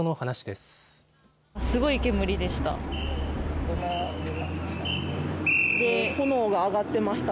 すごい煙でした。